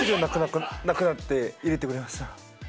無くなって入れてくれました。